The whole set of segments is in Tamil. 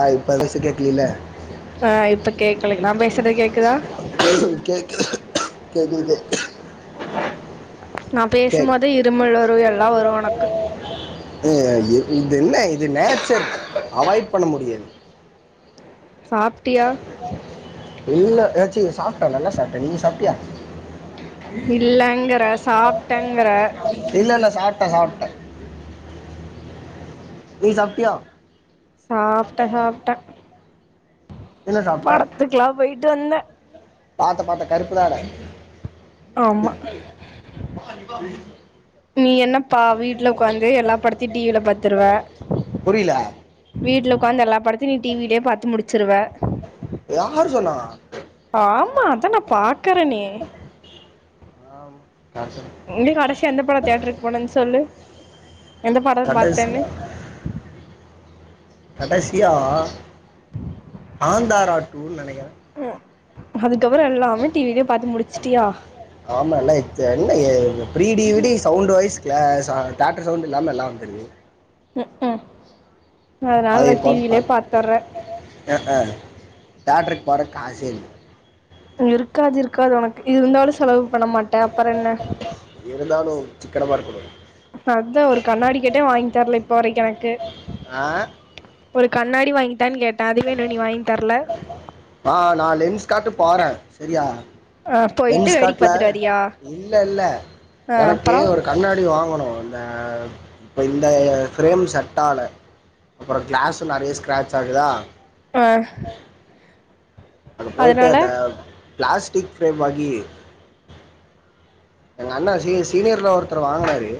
ஆஹ் இப்ப வயசு கேக்குலல்ல கேக்கலங் நாப இஷ் கேக்குது கேக்குது கேக்குது கேக் நான் பேசும்போதே இருமல் வரோ எல்லா வரு உனக்கு இது இது என்ன இது நேச்சர் அவாய்ட் பண்ண முடியாது சாப்டியா இல்ல ஏதாச்சி சாப்டே நல்ல சாப்டே நீங்க சாப்டியா இல்லங்கற சாப்டேங்கற சாப்ட்டே சாப்ட்டே நீ சப்டியா சாப்ட்டே சாப்டே என்ன படத்துக்கலா போயிட்டு வந்தே பாத்த பாத்த கருப்புதானா ஆமா நீ என்னப்பா வீட்ல உட்காந்து எல்லா படத்தையும் டிவில பாத்துருவ புரியல வீட்ல உட்காந்து எல்லா படத்தையும் நீ டிவிலேயே பாத்து முடிச்சுருவ யார் சொன்னா ஆமா அதான் நான் பாக்கறனே ஆம் யார் சொன்னா? எங்க கடைசியா எந்த படம் தேயட்டருக்கு போனுன்னு சொல்லு எந்த படம் பாரத்தேன்னு கடைசியா கடைசியா காந்தாரா டூ நெனைக்கிறே ம் அது ஆமாலத் என்ன பீரிடிவிடி சவுண்ட் வைஸ் க தேட்ர் சவுண்ட் இல்லாமல் எல்லாம் வந்துருது ம் ம் அதை அதனால போட்டு டிவிலயே பார்த்து பாத்துர்றே [unintelligible] தேட்டருக்கு போற காசே இல்ல இருக்காது இருக்காது உனக் இருந்தாலும் செலவு பண்ண மாட்ட அப்பற என்ன இல்ல இருந்தாலு சிக்கனமா இருக்கணு அதான் ஒரு கண்ணாடி கேட்டே வாங் தெர்ல இப்போ வரைக்கெணக்கு ஆ ஒரு கண்ணாடி வாங்கி தான்னு கேட்டேன் அதுவே இண்ணும் நீ வாங்கி தர்ல பாறே செரியா லென்ஸ் வேடிக்க காட்ல பாத்துட்டு வரியா இல்ல இல்ல ஆ எனக்கு அப்புற ஒரு கண்ணாடி வாங்கணு அந்த இப்போ இந்த ஃப்ரேம் செட்டால அப்பறோ கிளாஸும் நெறைய ஸ்க்ராட்ச ஆகுதா ஆஹ் அது போயிட்டேந்தா ப்ளாஸ்டிக் ஃப்ரேம் வங்கி எங்க அண்ணா சிஸ் சீனியர்ல ஒருத்தர் வாங்குனாரு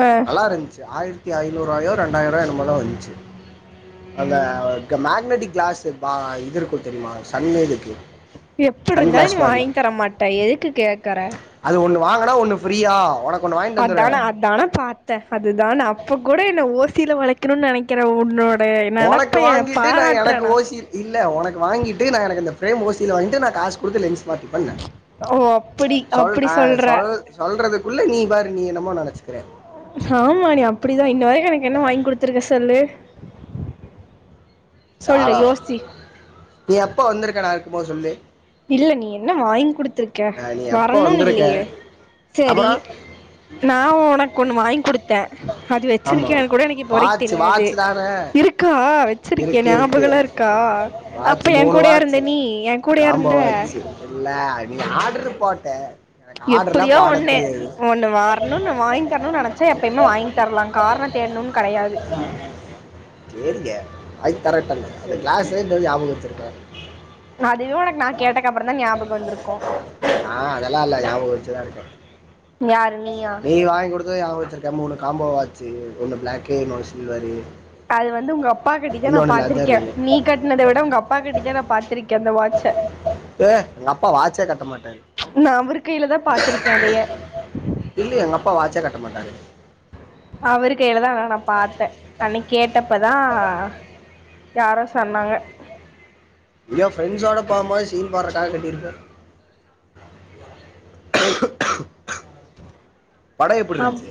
ஆ நல்லாருந்ச்சு ஆயிரத் ஆயிரத்தி ஐநூறுவாயோ ரெண்டாயிறுவாயோ என்னமோத வந்ச்சு அந்த மேக்னட்டிக் கிளாஸ் பா இது இருக்கு தெரியுமா சன்னிதுக்கு எப்டிருந்தாலு நீ வாங்கி தரமாட்ட எதுக்கு கேக்கற ஒன்னு வாங்கனா ஒன்னு ஃப்ரீயா ஒனக்கு அதான அதானே பாத்தே அதுதானே அப்ப கூட என்ன ஓஸ் சில ஒளக்கணுன் நெனக்கிறே உன்னோட ஒனக்கு நெனப்ப வாங்கிட்டு நா பாராட்டுற எனக்கு ஓசி இல்ல ஒனக்கு வாங்கிட்டு நா எனக்கு இந்த ஃப்ரேம் ஓசி ல வாங்கிட்டு நா காஸ் குடுத்து லென்ஸ் மாட்டிப்பண்ண ஓ அப்படி சொல் அப்படி அ சொல்ற சொல் சொல்றதுக்குள்ள நீ பாரு நீ என்னமோ நினைச்சுக்கிற ஆமா நீ அப்டிதா இன்ன வரைக்கு எனக்கு என்ன வாங்கி குடுத்துருக்க சொல்லு சொல்லு நானா யோசி நீ எப்ப வந்திருக்க நா இருக்கு போது சொல்லு இல்ல நீ என்ன வாங்கி குடுத் இருக்கே நான் நீ எப்போ வரணும்னு வந்திருக்க இல்லயே சரி அப்புறம் நா ஒனக்கு ஒண்ணு வாங்கி குடுத் அ அது ஆமா வச்சிருக்கியானு கூட எனக்கு இப்ப வரைக்கு வாட்ச் தெரியாது வாட்ச் தானே இருக்கா வச்சிருக்கே இருக்கு இருக்கு ஞாபகலா இருக்கா அப்ப எ கூடயா இருந்த நீ என் கூடயா ஆமா இருந்த வாட்ச் இல்ல நீ ஆடர்ரு போட்ட எனக்கு ஆர்டர்லா எப்படியோ பாட ஒன்னு, தெரியாது ஒன்னு வரனுனு வாங்கி தரனுனு நெனச்சா எப்பயுமே வாங்கி தரலா காரண தேடணுனு கெடயாது கரெக்ட்தான அது கிளாஸ்ன்றது ஞாபக வச்சிருக்க அதுவே உனக்கு நா கேட்டக்கப்பறந்தா ஞாபக வந்துருக்கு, ஆ அதெல்லா இல்ல ஞாபகம் வச்சுதா இருக்கே யாரு நீயா? த்தத ஞாபக வச்சிருக்கே மூணு காம்போ வாட் அது வந்து உங்க அப்பா கட்டிதா நா இன்னொன்னு பாத்திருக்கே லெதரு நீ கட்னத விட உங்க அப்பா கட்டிதா நா பாத்திருக்கே அந்த வாட்ச்ச, ஏ எங்க அப்பா வாட்சே கட்ட மாட்டாரு நா அவரு கையில தா பாத்திருக்கே அதய ட மாட்டாரு அவரு கையிலதா ஆனா நா பாத்த அனக்கி கேட்டப்பதா யாரோ சொன்னாங்க எங்யோ ஃப்ரெண்ட்ஸோட போம்போது சீன் போட்றக்காக கட்டிருப்பாரு பட அப் எப்டிருந்துச்சு?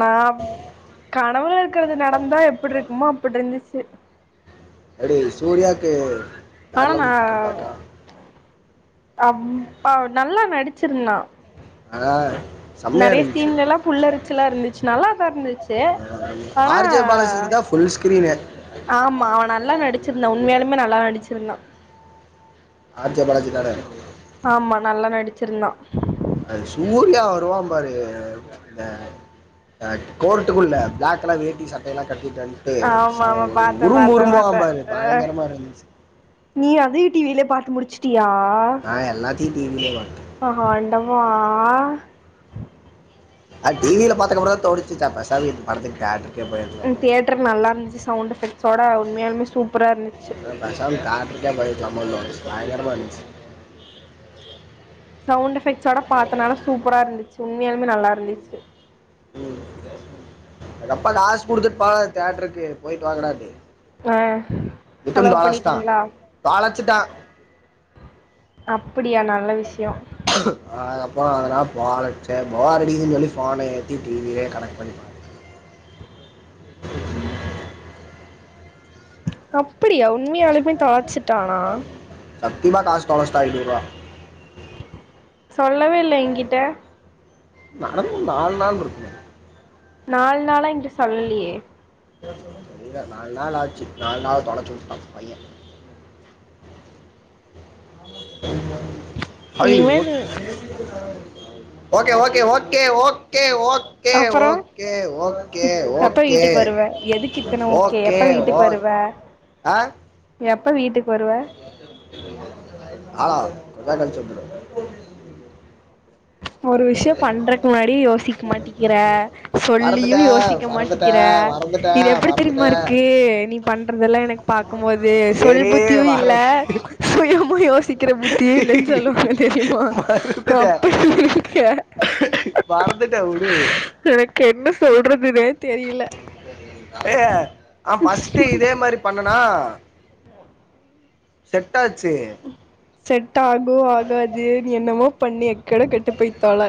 நா ப் கணவுல இருக்குறது நடந்தா எப்புட்ருக்குமோ அப்புட்ருந்துச்சு எப்டி சூர்யாக்கு வேற ஆனா நா லெவல் கிரிக்கெட் பேட்டா அம் அவுர் நல்லா நட் டிச்சிருந்தா ஆனா செம்மையா நறைய இருந்துச்சு சீன்ல எல்லா புள்ளரிச்சுல்லா இருந்துச்சு நல்லாதா இருந்துச்சு ஆனா ஆர்ஜே பாலாஜிக்கு [unintelligible] ஆமா அவன் நல்லா நடிச்சிருந்தா உண்மையாலுமே நல்லா நடிச்சிருந்தா ஆர் ஜே பாலாஜி தான ஆமா நல்லா நடிச்சிருந்தா அது சூர்யா வருவா பாருங்க இந்த அ கோர்ட்டுக்குள்ள பிளாக் கலர் வேட்டி சட்டையெல்லா கட் ஆமாமா பாத்த பாத்த பாத்த உரும்புவான் பாரு அ பயங்கரமாக இருந்துச்சு நீ அதையு டிவிலயே பாத்து முடிச்சு யா நான் எல்லாத்தையும் டிவியிலே பார்த்தேன் அ ஆண்டவா அது டிவியிலே பாத்துக்கப்றோ தா‌ தோனுச்சு பெசாமா இது படத்துக்கு தேட்ர்க் தியேட்டர் நல்லா இருந்துச்சு ம் ம் ம் சவுண்ட் எஃபெக்ட்ஸோட உண்மையாலுமே சூப்பராருந்துச்சு [unintelligible] பயங்கர இருந்துச்சு சவுண்ட் எஃபெக்ட் சோட பாத்தனால சூப்பரா இருந்துச்சு உன் உண்மையாகவும் நல்லாருந்துச்சு ம் எங்கப்பா காசு குடுத்துட் பா தேட்டருக்கு போயிட்டு வாக்கடான்ச்சு அ செலவு பண்ணிட்டீங்களா பிச்சிட்டா அப்படியா நல்ல விஷயோ அதுகப்பறோ அதனா வாழச்ச பாரடின்னு சொல்லி ஃபோனை ஏத்தி டிவியிலே கனெக்ட் பண்ணிப்பாத்துட் [inaudible] அப் அப்பிடியா உண்மையாலுமே தொளச்சுட்டானா சத்தியமா காசு தொலச்சிட்டா ஐநூரூவா சொல்லவே இல்ல எங்கிட்ட நடந்து ஒரு நால் நாள்ருக்கு நால்னாளா ஏன்ட சொல்லலேயே இல்வ நாலு நாள் ஆச்சு நாலு நாள் தொலைச்சுட்டா பையே ஐய்வோட் இனிமேல் okay okay okay okay okay okay K அப்பறோ ஓக்கே ஓக்கே எப்ப ஓக்கே வீட்டுக்கு வருவ எதுக்கு இத்தனை ஓகே எப்பெ வீட்டுக் வருவே எப்பெ வீட்டுக் ஆலாவ் கெட்டன் சொல் ஒரு விஷ்யொ பண்றக்கு முன்னாடி யோசிக்க மாட்டிகிறே சொல்லியு மறந்துட்டேன் யோசிக்க மாட்டிகிறே மறந்துட்டேன் இது மறந்துட்டேன் எப்படி மறந்துட்டேன் தெரிம்மாருக்கு நீ பண்றதெல்லா எனக்கு க்கும் போது சொல் சரி புத்தியும் இல்ல மறந்து சுய மூலியொ யோசி க்கிற புத்திய இல்லன் சொல்லுவாங்க தெரியுமா மறந்துட்டேன் இருக்க மறந்துட்டே உடூ எனக்கு என்ன சொல்றதுனே தெரியல ஏ ஆ பஸ்ட் இதே மாரி பண்ணன் ஆ செட்டாச்சு செட் தகு ஆகாது என்னமோ பண்ணி எக்கெட கெட்டுப் போய்த்தொள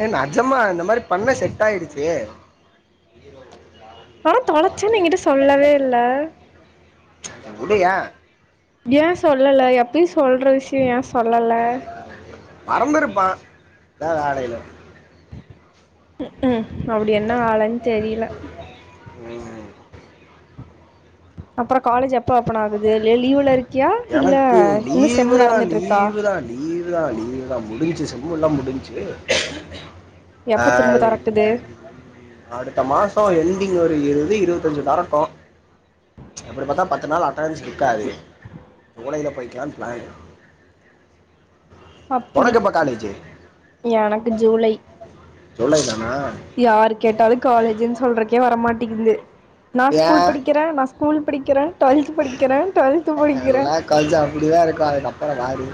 ஏ நெஜம்மா நம் இந் மாரி பண்ண செட் ஆய்டுச்சு பீரோவெ ஆனாத் தொலச்சேன்னு என்கிட்ட சொல்லவே இல்லே உடுயே ஏ சொல்லல எப்டி சொல்ற விஷ்யோ ஏ சொல் சொல்லல மறந்திருப்பான் எதா வேலைலெ ம்ஹும் அப்படி என்ன வேலைன்னு தெரீலெ ம் அப்ரோ காலேஜ் எப் பப்பன் ஆகுது லெ லீவுல இருக்கியா இல்லே எனக்கு இன்னு லீவு செம்மு தான் நடந்துட்டுருக்கா லீவு எல்லாம் முடிஞ்ச்சு ஹ எப்ப திரும்ப தொறக்குது அடுத்த மாசம் என்டிங் ஒரு எது இரு கொஞ்சோ தரட்டோ அப்படி பாத்தா பத்து நாள் அடனன்ஸ் நிக்காது குடயிலெ போய்க்கலாம் பிளானு அப்புடி எனக்கு ஜூலை ஜூலைதா யாரு கேட்டாலு காலேஜுன்னு சொல்றக்கே வரமாட் ட்ங்குது நா ஸ்கூல் ஏன் படிக்ற நா ஸ்கூல் படிக்ற டுவெல்த் படிக்ற டுவெல்த் படிக்ற எல்லா காலேஜும் அப்படிதான் இருக்கும் அதுக்கப்புறம் வாடி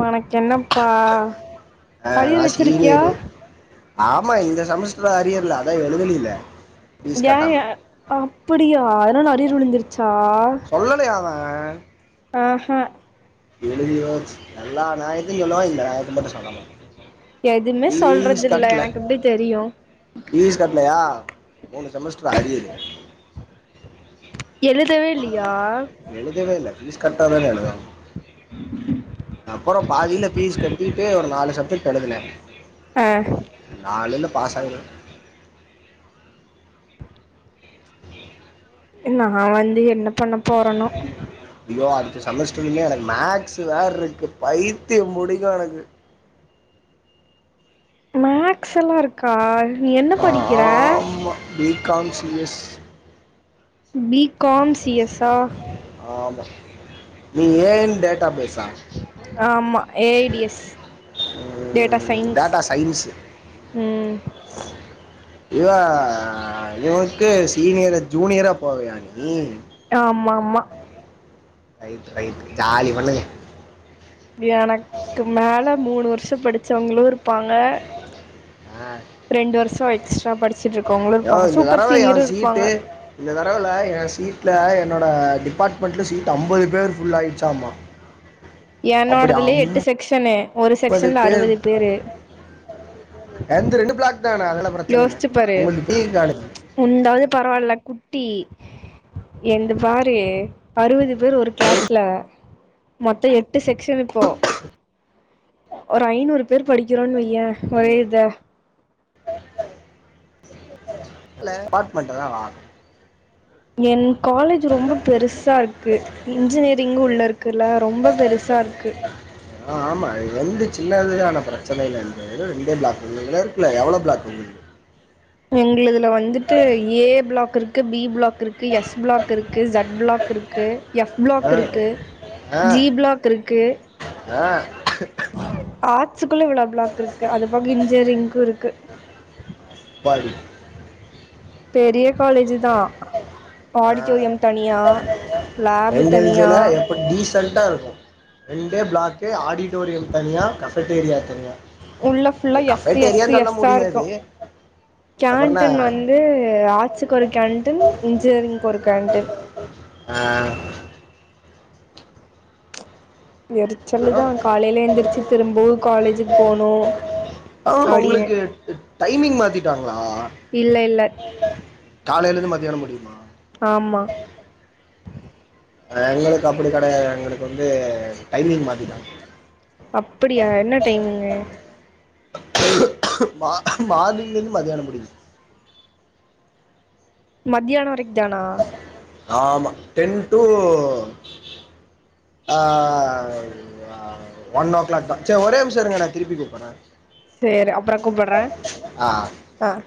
உனக்கு என்னப்பா ஆ அரியர் நான் வெச்சிருக்கியா சீனியரு ஆமா இந்த செமஸ்டர் அரியர்ல்ல அதா எழுதலில ஃபீஸ் ஏ கட்டாம ஏ அப்புடியா லா நறைய ரூல் இந்துருச்சு சா வ ஆஹா தெளிஞ்சிபோச் எல்லா நாயத்தியு சொல்லுவா இந்த நாயத்த மட்டு சொல்லமாடா எதுமே சொல்றதில்ல எனக்கு எப்புடி தெரியு ஃபுல்லா அரியரு எழுதவே இல்லியா எழுதவே இல்லை ஃபீஸ் கட்டாதானே எழுதனு அப்புறோ பாதில பீஸ் கட்டிட்டு ஒரு நாலு சப்ஜெக்ட் எழுதுன ஆ நாலுல பாசாயிருவ இன்ன நா வந்து என்ன பண்ண போறனோ த செமஸ்டர்மே எனக்கு மேக்ஸ் வேற இருக்கு பைத்தியம் புடிக்கு எனக்கு மேக்ஸ் எல்லா இருக்கா நீ என்ன படிக்கிற B com C S B com C S ஆ ஆமா நீ ஏ அன் டேட்டா பேஸ் ஆமா A I D S data science data science ம் இவா இவனுக்கு சீனியர் ஜூனியரா போவையா நீ ஆமாமா ரைட் ரைட் ஜாலி பண்ணுங்க எனக்கு மேல மூணு வர்ஷொ படிச்சவங்களுருப் பாங்க ஆ ரெண்டு வர்ஷொ எக்ஸ்ட்ரா படிச் யோ இந்த தடவ ஏ சீட்டு இந்த தடவல ஏ சீட்ல ஏ என்னோட டிபாட்மெண்ட்ல சீட் அம்பது பேர் ஃபுல்லாய்ட்ச்சாமா என்னோடதுலயே எட்டு செக்ஷனு ஒரு செக்ஷன்ல பேர் அறுபது பேரு எந்த ரெண்டு பிளாக் தானே அதெல்லாம் பிரச்சனை இல்லை யோசிச்சு பாரு உங்களுக்கு பீக் காலேஜ் முந்தாவது பரவாயில்ல குட்டி எ பாரு அறுபது பேர் ஒரு கிளாஸ்ல மொத்தம் எட்டு செக்ஷன் இப்போ ஒரு ஐநூறு பேர் படிக்கிறோன்னு வை ஒரே இததா இல்ல அபார்ட்மெண்ட் தான் ஏன் காலேஜ் ரொம்ப பெருசா இருக்கு இன்ஜினியரிங்கு உள்ள இருக்குல்ல ரொம்ப பெருசா இருக்கு ஆஹ் ஆமா அது வந்து சின்னதுான பிரச்சனை இல்ல இரு ஏதோ ரெண்டே பிளாக் உ இருக்குல்ல எவ்வளவு பிளாக் உ எங்க இதுல வந்துட்டு ஏ பிளாக் இருக்கு இருக்கு பி பிளாக் இருக்குது எஸ் பிளாக் இருக்குது ஜட் பிளாக் இருக்குது எஃப் பிளாக் ஆ இருக்கு ஆ ஜி பிளாக் இருக்கு ஆ ஆத் க்குள்ள விழா பிளாக் இருக்கு அது பக இன்ஜியரிங்கும் இருக்கு ப பெரிய காலேஜ் தான் ஆ லேபு எங்க தனியா இதுல எப்படி டீசன்டா இருக்கும் ரண்டே பிளாகக்க ஆடிட் ப்டோரியம் தனியா கஃபெட்டேரியா தனியா உள்ளுல்லா அது எஸ்்சி எஸ்்சி கஃபெட்டேரியான்னு சொல்ல எஸ்ா முடியாது இருக்கும் அப்புறம் என்ன கேன்டன் வந்து ஆட்சுக்கு ஒரு கேன்டன் இன்ஜினியரிங் ஆஹ எரிச்சல்லுதான் காலையில எந்திரிச்சு திரும்பவும் காலேஜுக்கு போனோும் ஆ அப்படின்னு உங்களுக்கு டைமிங் மாத்திட்டா ஆ காலையில்ேருந்து மத்தியானம் முடியுும் ஆமா எங்களுக்கு அப்படி கிடையாது எங்களுக்கு வந்து டைமிங் மாத்திதான் அப்படியா என்ன டைமுங்க மார்னிங்லந்து மதியானம் முடியுது மதியானோ வரைக் தனா ஆமா ten to ah one o'clock தா சே ஒரே நிமிஷ இருங்க நா திருப்பி கூப்புட்றே சேர் அப்புரோ கூப்பட்றேன் ஆ ஆஹ்